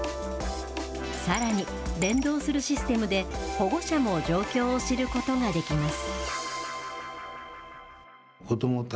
さらに連動するシステムで、保護者も状況を知ることができます。